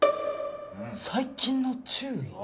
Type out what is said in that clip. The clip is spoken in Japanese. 最近の注意？